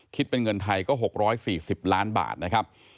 คิดเป็นเงินไทยก็๖๔๐ล้านบาทนะครับ